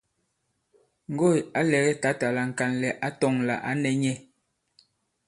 Ŋgoỳ à lɛgɛ tǎtà la ŋ̀kànlɛ̀ ǎ tɔ̄ŋ lā ǎ nɛ̄ nyɛ̄.